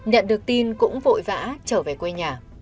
nhận được tin cũng vội vã trở về quê nhà